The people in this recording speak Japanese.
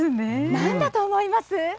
なんだと思います？